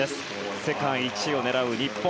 世界一を狙う日本